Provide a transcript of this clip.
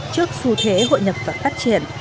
trước xu thế hội nhập và phát triển